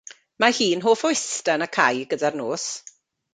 Mae hi'n hoff o ista yn y cae gyda'r nos.